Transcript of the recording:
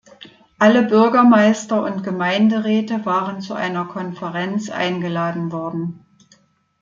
Alle Bürgermeister und Gemeinderäte waren zu einer Konferenz eingeladen worden.